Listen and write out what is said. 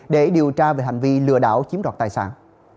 để điều tra về hành vi lừa đảo chiếm đoạt tài sản